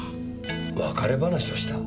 別れ話をした？